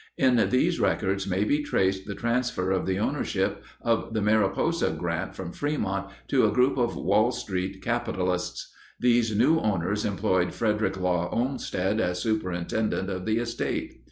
In these records may be traced the transfer of the ownership of the Mariposa Grant from Frémont to a group of Wall Street capitalists. These new owners employed Frederick Law Olmsted as superintendent of the estate.